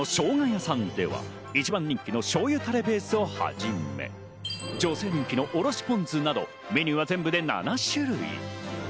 姜やさんでは一番人気の醤油タレベースをはじめ、女性人気のおろしポン酢など、メニューは全部で７種類。